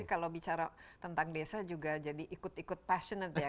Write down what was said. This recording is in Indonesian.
kalau bicara tentang desa juga jadi ikut ikut passionate ya